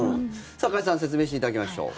さあ、加谷さん説明していただきましょう。